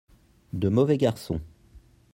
De mauvais garçons.